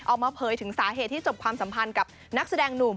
เผยถึงสาเหตุที่จบความสัมพันธ์กับนักแสดงหนุ่ม